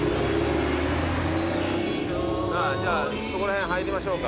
さあそこら辺入りましょうか。